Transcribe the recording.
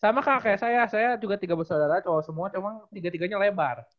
sama kak kayak saya saya juga tiga bersaudara oh semua cuma tiga tiganya lebar